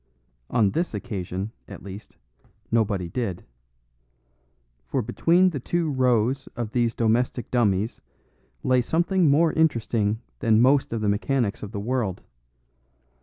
On this occasion, at least, nobody did. For between the two rows of these domestic dummies lay something more interesting than most of the mechanics of the world.